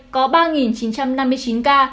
có ba chín trăm năm mươi chín ca